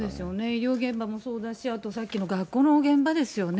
医療現場もそうだし、あとさっきの学校の現場ですよね。